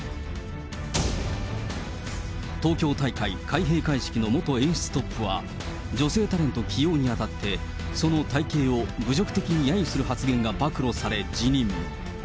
東京大会開閉会式の元演出トップは、女性タレント起用にあたって、その体形を侮辱的にやゆする発言が暴露され辞任。